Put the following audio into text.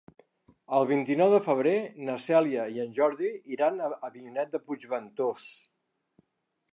El vint-i-nou de febrer na Cèlia i en Jordi iran a Avinyonet de Puigventós.